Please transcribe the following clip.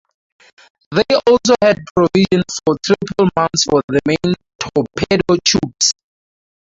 They also had provision for triple mounts for the main torpedo tubes.